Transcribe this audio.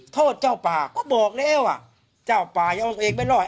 โทษเจ้าป่าก็บอกแล้วอ่ะเจ้าป่ายังเอาตัวเองไม่รอด